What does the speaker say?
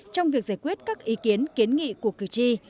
trong việc giải quyết các ý kiến kiến nghị của cử tri